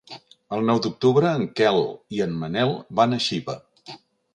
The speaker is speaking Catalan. El nou d'octubre en Quel i en Manel van a Xiva.